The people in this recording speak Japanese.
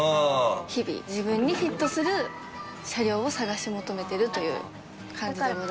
日々自分にフィットする車両を探し求めてるという感じでございます。